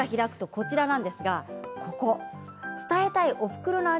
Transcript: こちらなんですね伝えたいおふくろの味